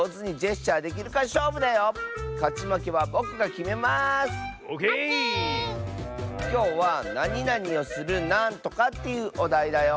きょうはなになにをするなんとかっていうおだいだよ。